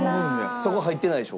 そこ入ってないでしょ？